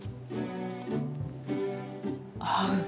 合う。